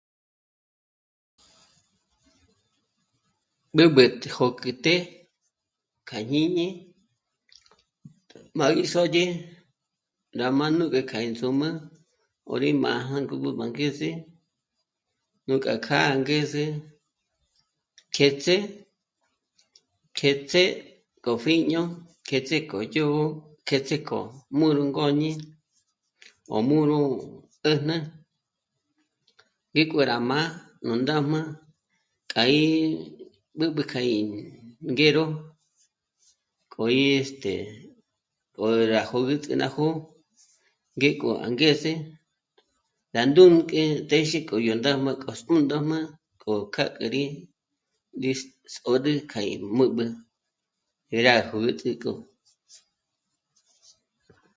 B'ǚb'ü tú jô'k'u të́'ë kja jñíñi... má gí sódye rá má nú ngék'a índzùmü 'ö́ rí má jângo rá nú bá angeze, nú kja kjâ'a angeze kêts'é. kêts'é k'o pjíño, k´êts'é k'o yó'o, kêts'e k'o nú ngôñi o mū̀rū 'ä̂jnä ngík'o rá má nú ndájma ka í... b'ǚb'ü kja í ngé ró, k'o rí este... 'ö́ra jö́güts'ü ná jó'o, ngéko angeze rá ndûnk'e téxi k'o yó ndä́jm'ä k'o zùndóm'a k'o k'a k'è rí... nrís... zòd'ü k'a í m'ǘb'ü 'é rá jö́güts'ü k'o